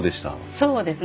そうですね。